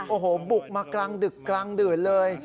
โอ้โหบุกมากลางดึกกลางดื่นเลย